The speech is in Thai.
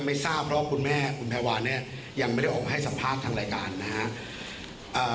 ไม่ทราบเพราะว่าคุณแม่คุณแพรวาเนี่ยยังไม่ได้ออกมาให้สัมภาษณ์ทางรายการนะฮะ